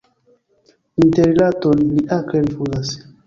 Interrilaton li akre rifuzas.